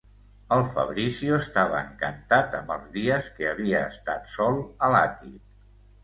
El Fabrizio estava encantat amb els dies que havia estat sol a l'àtic.